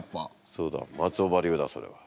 そうだ松尾葉流だそれは。